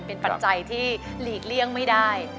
เป็นปัจจัยที่หลีกเลี่ยงไม่ได้